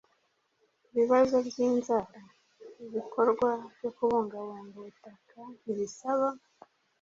ibibazo by’inzara? Ibikorwa byo kubungabunga ubutaka ntibisaba